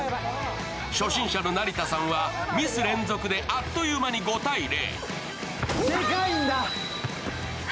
初心者の成田さんはミス連続であっという間に５−０。